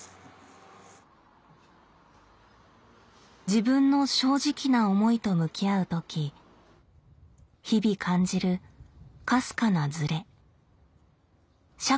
自分の正直な思いと向き合う時日々感じるかすかなズレ社会への違和感。